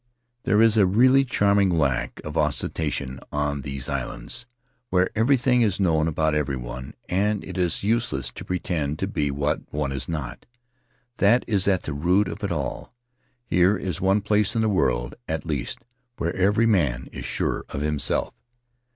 There is a really charming lack of ostentation in these islands, where everything is known about everyone, and it is useless to pretend to be what one is not. That is at the root of it all — here is one place in the world, at least, where every man is sure of himself.